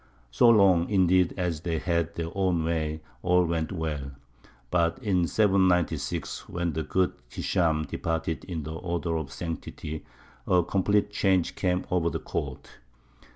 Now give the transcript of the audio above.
So long, indeed, as they had their own way, all went well. But in 796, when the good Hishām departed in the odour of sanctity, a complete change came over the Court.